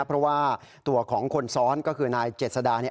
เพราะว่าตัวของคนซ้อนก็คือนายเจษดา